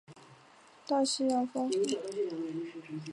大西洋冲浪马珂蛤为马珂蛤科马珂蛤属下的一个种。